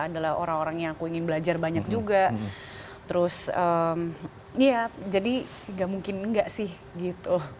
adalah orang orang yang aku ingin belajar banyak juga terus ya jadi gak mungkin enggak sih gitu